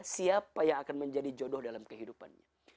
siapa yang akan menjadi jodoh dalam kehidupannya